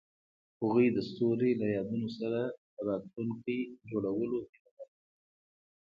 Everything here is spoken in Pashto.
هغوی د ستوري له یادونو سره راتلونکی جوړولو هیله لرله.